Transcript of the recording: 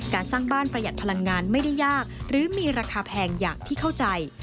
สร้างบ้านประหยัดพลังงานไม่ได้ยากหรือมีราคาแพงอย่างที่เข้าใจ